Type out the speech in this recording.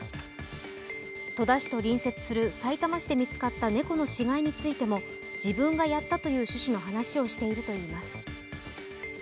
戸田市と隣接するさいたま市で見つかった猫の死骸についても自分がやったという趣旨の話をしているといいます。